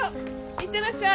いってらっしゃい。